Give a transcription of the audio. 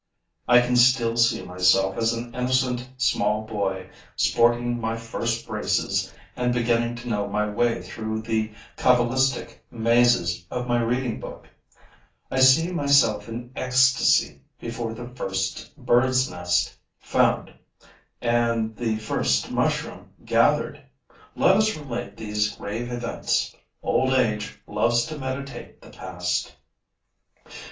I can still see myself as an innocent small boy sporting my first braces and beginning to know my way through the cabalistic mazes of my reading book, I see myself in ecstasy before the first bird's nest found and the first mushroom gathered. Let us relate these grave events. Old age loves to meditate the past.